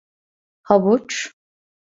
Havuç…